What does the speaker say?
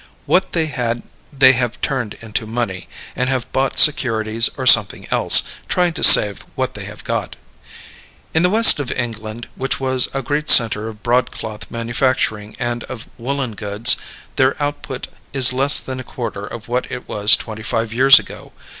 What they had they have turned into money, and have bought securities or something else, trying to save what they have got. In the west of England, which was a great center of broadcloth manufacturing and of woolen goods, their output is less than a quarter of what it was twenty five years ago.